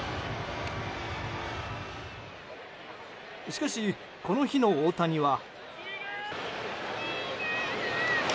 しかし、この日の大谷は。